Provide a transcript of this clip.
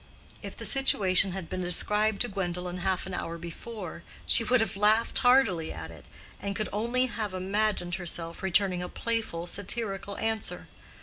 If the situation had been described to Gwendolen half an hour before, she would have laughed heartily at it, and could only have imagined herself returning a playful, satirical answer.